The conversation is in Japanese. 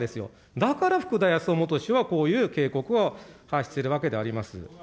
だから福田康夫元首相はこういう警告を発しているわけであります。